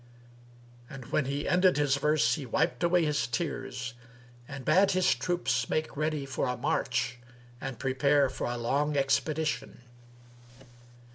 And when he ended his verse, he wiped away his tears and bade his troops make ready for a march and prepare for a long expedition.